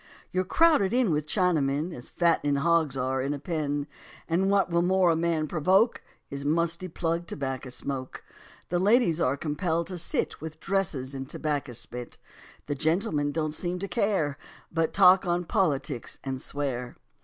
You're crowded in with Chinamen, As fattening hogs are in a pen; And what will more a man provoke Is musty plug tobacco smoke. The ladies are compelled to sit With dresses in tobacco spit; The gentlemen don't seem to care, But talk on politics and swear.